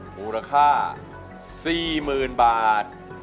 มูลค่า๔๐๐๐บาท